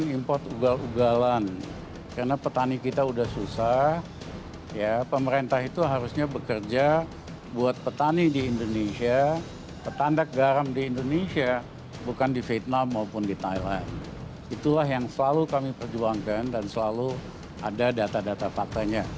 itulah yang selalu kami perjuangkan dan selalu ada data data faktanya